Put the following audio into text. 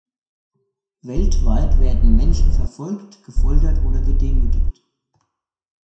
Weltweit werden Menschen verfolgt, gefoltert oder gedemütigt.